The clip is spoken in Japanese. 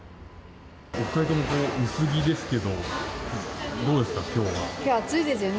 お２人とも薄着ですけど、きょうは暑いですよね。